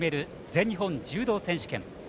全日本柔道選手権。